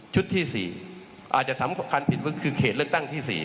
ที่๔อาจจะสำคัญผิดก็คือเขตเลือกตั้งที่๔